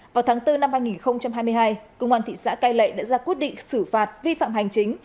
vào tháng bốn năm hai nghìn hai mươi hai công an thị xã cai lệ đã ra quyết định xử phạt vi phạm hành chính